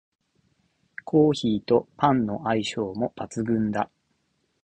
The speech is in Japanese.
コーヒーとパンの相性も抜群だ